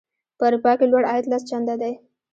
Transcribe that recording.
په اروپا کې لوړ عاید لس چنده دی.